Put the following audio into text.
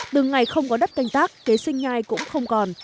từng ngày không có đất canh tác kế sinh nhai cũng không còn